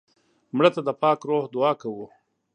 مړه ته د پاک روح دعا کوو